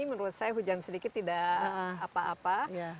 menurut saya hujan sedikit tidak apa apa